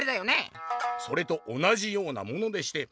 「それと同じようなものでして」。